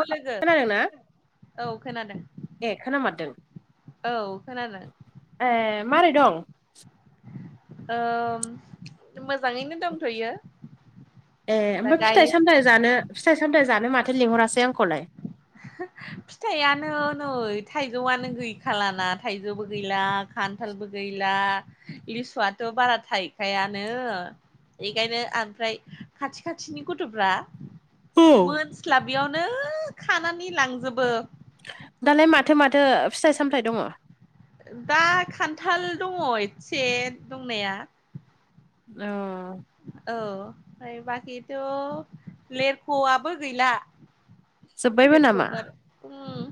औ लोगो खोनादोंना औ खोनादों। ए खोनामारदों औ खोनादों। ए मारै दं? ओम मोजाङैनो दंथ'यो। ए दा ओमफ्राय फिथाइ गायनाय सामथाइ जानो फिथाइ सामथाइ जानो माथो लिंहरासै आंखौलाय? फिथाइयानो नै थाइजौआनो गैखालाना थाइजौबो गैला। खान्थालबो गैला लिसुआथ' बारा थाइखायानो। बेखायनो आमफ्राय खाथि खाथिनि गथ'फ्रा औ मोनस्लाबियावनो खानानै लांजोबो। दालाय माथो माथो फिथाइ सामथाइ दङ? दा खान्थाल दङ एस्से दंनाया। अ औ ओमफ्राय बाखिथ' लेफआबो गैला। जोब्बायबो नामा लेथुखु'फोर। उम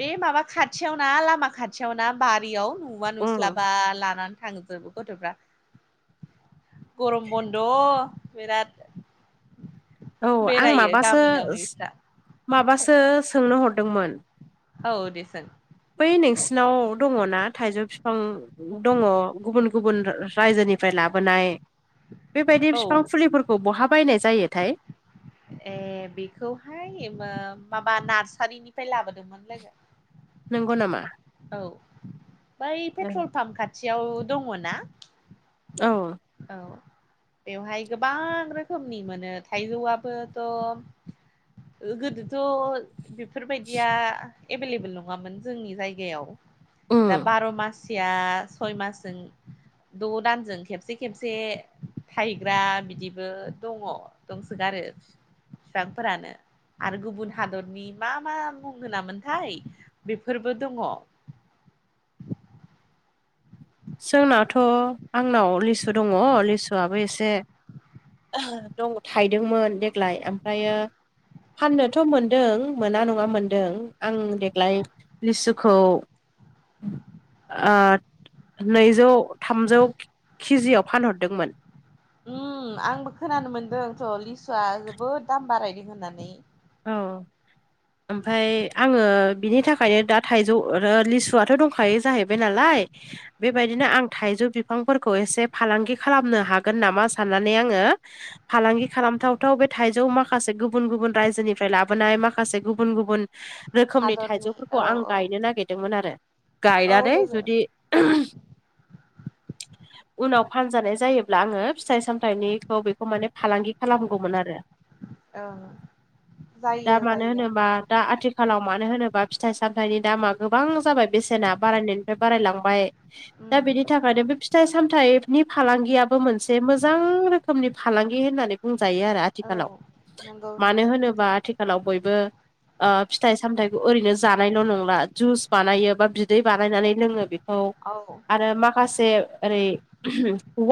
बे माबा खाथियाव ना लामा खाथियाव ना बारियाव नुुवा उम नुस्लाबा लानानै थांजोबो। गथ'फ्रा गरम बन्द' बिराद औ आं बेरायो माबासो गामि गामि सों बिस्रा माबासो सोंनो हरदोंमोन औ दे सों। बै नोंसिनाव दङ'ना थाइजौ बिफां दङ' गुबुन गुबुन रायजोनिफ्राय लाबोनाय। बेबायदि औ बिफां फुलिफोरखौ बहा बायनाय जायोथाय? ए बेखौहाय मा-माबा नार्सारिनिफ्राय लाबोदोंमोन लोगो। नंगौ नामा? औ बै पेट्रल पाम्प खाथियाव दङ'ना। औ। औ। बेवहाय गोबां रोखोमनि मोनो थाइजौआबोथ' ओ गोदोथ' बेफोरबायदिया एभेलेबेल नङामोन जोंनि जायगायाव उम दा बार' मास सिया सयमासजों द' दानजों खेबसे खेबसे खेबसे थाइग्रा बिदिबो दङ दंसोगारो। फिफांफोरानो। आरो गुबुन हादरनि मा मा मुं होनामोनथाय बेफोरबो दङ। जोंनाथ' आंनाव लिसु दङ लिसुआबो एसे [unintelligible] दं थायदोंमोन देग्लाय आमफ्रायो फाननोथ' मोनदों मोना नङा मोनदों आं देग्लाय लिसुखौ ओ नैजौ थामजौ किजिआव फानहरदोंमोन उम आंबो खोनानो मोन्दोंथ' लिसुआ जोबोद दाम बारायदों होननानै औ ओमफाय आङो बिनि थाखायनो दा थाइजौ, रो लिसुआथ' दंखायो जाहैबाय नालाय बेबायदिनो आं थाइजौ बिफांफोरखौ एसे फालांगि खालामनो हागोन नामा साननानै आङो फालांगि खालामथावथाव बे थाइजौ माखासे गुबुन गुबुन रायजोनिफ्राय लाबोनाय माखासे गुबुन गुबुन रोखोमनि हादरनि थाइजौफोरखौ औ आं औ गायनो नागिरदोंमोन आरो। औ गायनानै लोगो जुदि [unintelligible] उनाव फानजानाय जायोब्ला आङो फिथाइ साम फाइनिखौ बेखौ माने फालांगि खालामगौमोन आरो औ दा मानो होनोबा दा आथिखालाव मानो होनोबा फिथाइ सामथाइनि दामा गोबां जाबाय बेसेना बारायनायनिफ्राय बारायलांबाय दा उम बेनि थाखायनो बे फिथाइ सामथाइ नि फालांगियाबो मोनसे मोजां रोखोमनि फालांगि होननानै बुंजायो आरो औ आथिखालाव नंगौ मानो नंगौ होनोबा आथिखालाव बयबो ओ फिथाइ सामथाइखौ ओरैनो जानायल' नंला जुस बानायो बा बिदै बानायनानै लोङो बेखौ औ आरो माखासे ओरै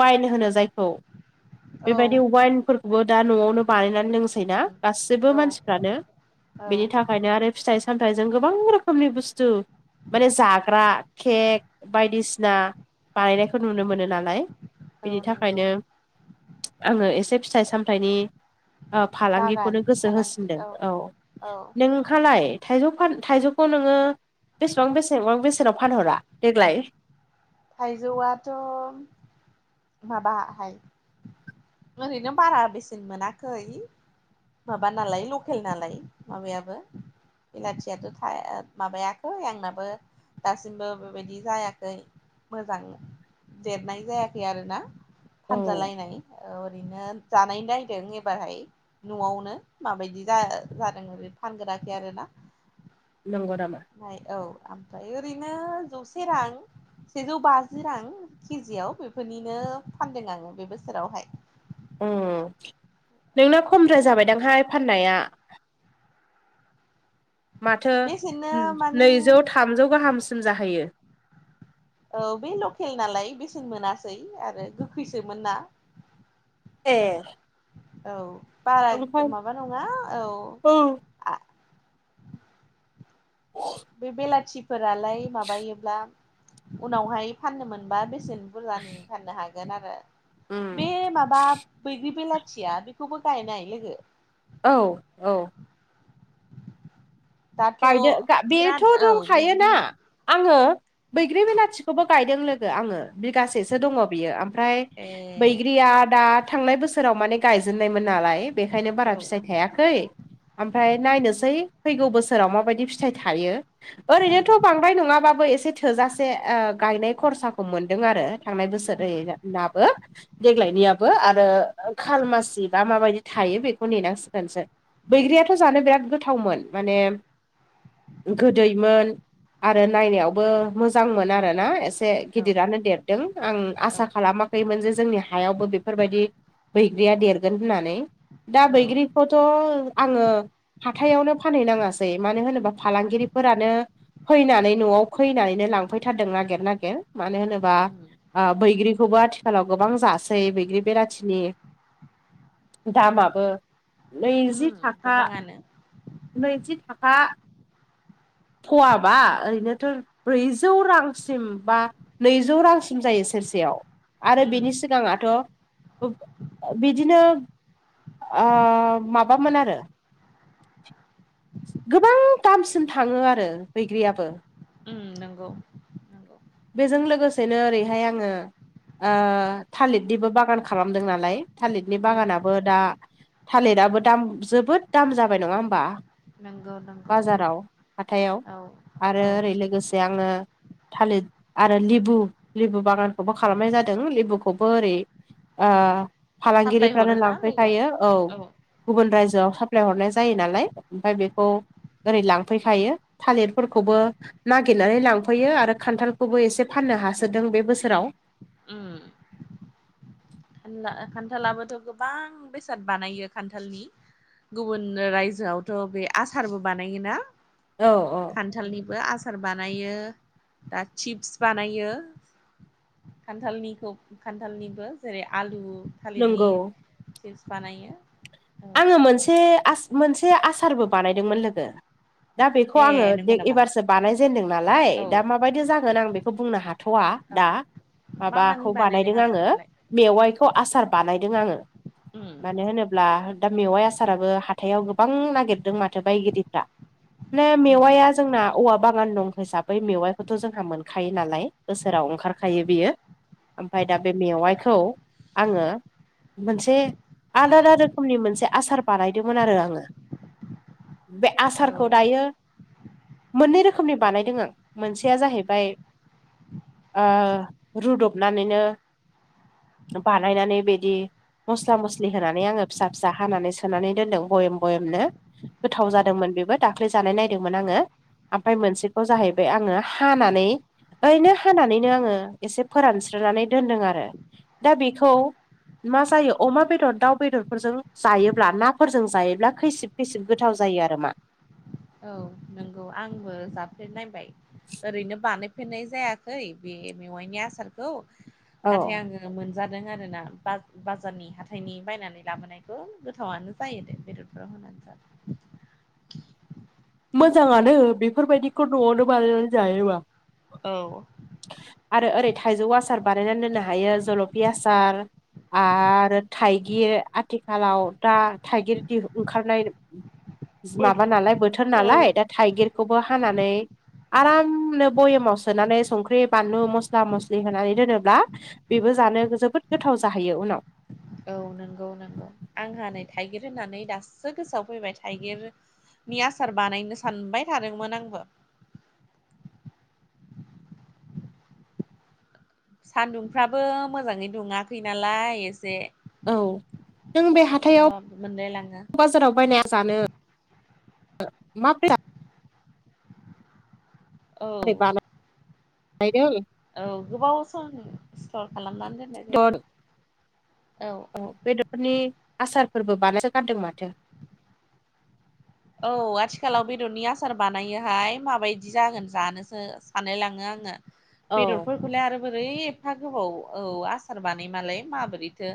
वाइन होनो जायखौ औ बेबायदि वाइनफोरखौबो दा न'आवनो बानायनानै लोंसै ना उम गासिबो औ मानसिफ्रानो, औ बिनि थाखायनो आरो फिथाइ सामथाइजों गोबां रोखोमनि बुस्थु माने जाग्रा केक बायदिसिना बानायनायखौ नुनो मोनो नालाय बिनि औ नंगौ थाखायनो आङो एसे फिथाइ सामथाइनि ओ फालांगि बागान खौनो गोसो फालांगि होसिनदों औ औ नों खालाय थाइजौ फान थाइजौखौ नोङो बेसेबां बेसेबां बेसेनाव फानहरा देग्लाय? थाइजौआथ' माबाहाय ओरैनो बारा बेसेन मोनाखै माबा नालाय लकेल नालाय माबायाबो बिलाथियाथ' थाया माबायाखै आंनाबो दासिमबो बेबायदि जायाखै मोजां देरनाय जाया खै आरोना औ फानजालायनाय औ ओरैनो जानाय नायदों एबारहाय न'आवनो माबायदि जा जादों ओरै फानगोराखै आरोना नंगौ नामा? फाय औ ओमफाय ओरैनो जौसे रां सेजौ बाजि रां किजियाव बेफोरनिनो फानदों आङो बे बोसोरावहाय उम नोंना खमद्राय जाबायदांहाय फाननाया माथो बेसेनो माने नैजौ थामजौ गाहामसिम जाहैयो औ बे लकेल नालाय बेसेन मोनासै आरो गोखैसोमोन ना ए औ बारा ओमफ्राय माबा नङा औ बे बेलाथिफोरालाय माबायोब्ला उनावहाय फाननो मोनबा बेसेन बुरजानि फाननो हागोन आरो उम बे माबा बैग्रि बेलाथिया बेखौबो गायनाय लोगो औ औ दाथ' गायदो गा बेथ' बिराद औ दंखायोना बैग्रि आङो बैग्रि बिलाथिखौबो गायदों लोगो आङो बिगासेसो दङ बियो ओमफ्राय ए बैग्रिया दा थांनाय बोसोराव माने गायजेननायमोन नालाय बेखायनो बारा औ फिसाय थायाखै ओमफ्राय नायनोसै फैगौ बोसोराव माबायदि फिथाइ थायो औ ओरैनोथ' बांद्राय नङाबाबो एसे थोजासे ओ गायनाय खरसाखौ मोनदों आरो थांनाय उम बोसोरैनाबो देग्लायनियाबो आरो खालमासि बा माबायदि थायो बेखौ नेनांसिगोनसो बैग्रियाथ' जानो बिराद गोथावमोन माने गोदैमोन आरो नायनायावबो मोजां मोन उम आरोना एसे औ गिदिरानो देरदों आं औ आसा खालामाखै खैमोन जे जोंनि हायावबो बेफोरबायदि बैग्रिया देरगोन होननानै दा औ बैग्रि खौथ' आङो हाथायावनो फानहैनाङासै मानो होनोबा फालांगिरिफोरानो फैनानै न'आव फैनानैनो लांफैथारदों नागेर नागेर मानो होनोबा उम ओ बैग्रिखौबो आथिखालाव गोबां जासै बैग्रि बेलाथिनि दामाबो नैजि उम थाखा गोबाङानो नैजि थाखा फवाबा ओरैनोथ' ब्रैजौ रांसिम बा नैजौ रांसिम जायो सेरसेयाव आरो उम बेनि सिगाङाथ' उब बिदिनो ओ माबामोन आरो गोबां दामसिम थाङो आरो बैग्रियाबो नोंगौ बेजों लोगोसेनो ओरैहाय आङो ओ थालिरनिबो बागान खालामदों नालाय थालिरनि ओं बागानाबो दा थालिराबो दाम जोबोद दाम जाबाय नङा होमबा नंगौ नंगौ बाजाराव हाथथायाव औ आरो औ ओरै लोगोसे जे आङो थालिर आरो लेबु लेबु बागानखौबो खालामनाय जादों लेबुखौबो ओरै ओ साप्लाय फालांगिरिफ्रानो हरोना लोगो लांफैखायो औ गुबुन रायजोआव साप्लाय हरनाय जायो नालाय ओमफफ्राय बेखौ ओरै लांफैखायो थालिरफोरखौबो नागिरनानै लांफैयो आरो खान्थाल खौबो एसे फाननो हासोदों बे बोसोराव उम खनला खान्थालाबोथ' गोबां बेसाद बानायो खान्थालनि गुबुन रायजोआवथ' बे आसारबो बानायोना? औ औ खान्थालनिबो आसार बानायो दा चिप्स बानायो खान्थालनिखौ खान्थालनिबो जेरै आलु थालिरनि नंगौ सिप्स बानायो। आङो मोनसे मोनसे आसारबो बानायदोंमोन लोगो। दा बेखौ आङो ए नंगौ नामा एबारसो बानायजेनदों नालाय औ दा माबायदि जागोन आं बेखौ बुंनो हाथ थ'वआ दा मा मानि माबाखौ बानायदों आङोव आसारखौलाय मेवाइखौ आसार बानायदों आङो उम मानो होनोब्ला दा मेवाइ आसाराबो हाथथायाव गोबां नागिरदों माथो बायगिरिफ्रा। नंगौ मे-मेवाया जोंना औवा बागान दं हिसाबै मेवाइखौथ' जोंहा मोनखायो नालाय बोसोराव ओंखारखायो बियो। ओमफ्राय दा बे मेवाइखौ आङो मोनसे आलादा रो खनि मोनसे आसार बानायदोंमोन आरो आङो। बे औ आसारखौ दायो मोननै रोखोमनि बानायदों आं मोनसेया जाहैबाय - रुदबनानैनो बानायनानै बिदि मस्ला मस्लि होनानै आङो। फिसा फिसा हानानै सोनानै दोनदों बयेम बयेमनो। गोथाव उम जादोंमोन बेबो दाख्लै जानाय नायदोंमोन आङो। ओमफाय मोनसेखौ जाहैबाय आङो हानानै ओरैनो हानानैनो आङो एसे फोरानस्रानै दोनदों आरो। दा बेखौ मा जायो अमा बेदर दाउ बेदर फोरफोरजों जायोब्ला नाफोरजों जायोब्ला खैसिब खैसिब गोथाव जायो आरोमा। औ नंगौ आंबो जाफेरनायबाय ओरैनो बानाय फेन्नाय जायाखै बे मेवाइनि आसारखौ औ नाथाय आङो। मोनजादों आरो ना बा बाजारनि हाथाइनि बायनानै लाबोनायखौ गोथावनो जायो दे बेदरफोराव होनानै जाबा। मोजाङानो बेफोरबायदिखौ न'आवनो बानायनानै जायोबा। औ आरो ओरै थाइजौ आसार बानायनानै दोननो हायो जलफि आसार। आरो थाइगिर आथिखालाव दा थाइगिर दि-ओंखारनाय माबा नालाय बोथोर औ नालाय दा थाइगिरखौबो हानानै आरामनो भयेमाव सोनानै संख्रि बानलु मस्ला मस्लि होनानै दोनोब्ला बेबो जानो जोबोद गोथाव जाहैयो उनाव। औ नंगौ नंगौ आंहा नै थाइगिर होननानै दासो गोसोआव फैबाय थाइगिर। नि आसार बानायनो सानबाय थादोंमोन आंबो। सान्दुंफ्राबो मोजाङै दुङाखै नालाय एसे। औ नों बे हाथायाव माबा मोनलायलाङो बाजाराव बायनाया जानो [unintelligible] माब्रै औ बानायदों [unintelligible] औ गोबाव सम स्टर खालामनानै दोननाय बेदर जायो। औ। औ बेदरफोरनि आसारफोरबो बानायसो गारदों माथो। औ आथिखालाव बेदरनि आसार बानायोहाय माबायदि जागोन जानोसो सानलायलाङो आङो। औ बेदरफोरखौलाय आरो बोरै एफा गोबाव औ आसार बानाय मालाय माबोरैथो।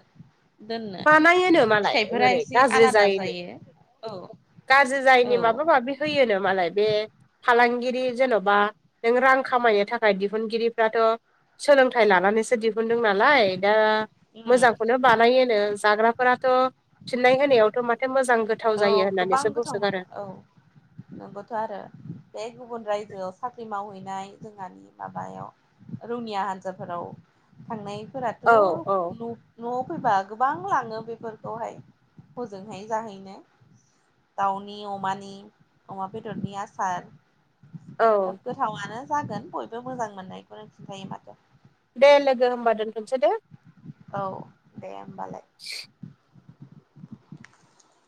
दोननो बानायोनो मालाय फिथाइफोरा ओरै एसे गाज्रि आलादा जायैनि जायो औ। गाज्रि औ जायिनि माबा माबि होयोनो मालाय बे फालांगिरि जेन'बा नों रां खामायनो थाखाय दिहुनगिरिफ्राथ' सोलोंथाइ लानानैसो दि दों नालाय दा उम मोजांखौनो बानायोनो जाग्राफोराथ' फिननाय होनायाव थ' माथो मोजां गोथाव औ जायो गोबां होननानैसो गोथाव मोनो बुंसोगारो। औ नोंगौथ' आरो बे गुबुन रायजोआव साख्रि मावहैनाय जोंहानि। माबायाव रौनिया हान्जाफोराव थांनायफोराथ' औ औ लु न'आव फैबा गोबां लाङो बेफोरखौहाय हजोंहाय जाहैनो। दाउनि अमानि अमा बेदरनि आसार औ [unintelligible] गोथावनो जागोन बयबो मोजां मोननायखौनोों खिन्थायो माथ [unintelligible] दे लोगो होमबा दोनथ'नोसै दे। औ दे होमबालाय। [inaudible]